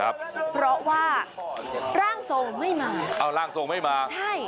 เพราะว่าร่างทรงไม่มา